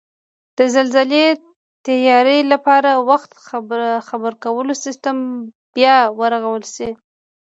د زلزلې تیاري لپاره وختي خبرکولو سیستم بیاد ورغول شي